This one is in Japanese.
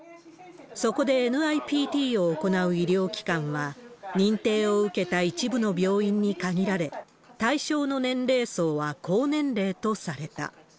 そこでＮＩＰＴを行う医療機関は、認定を受けた一部の病院に限られ、対象の年齢層は高年齢とされた。